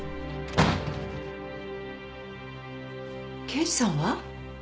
刑事さんは？